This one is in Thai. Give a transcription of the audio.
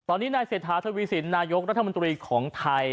ตอนนี้นายเศรษฐาทวีสินนายกรัฐมนตรีของไทย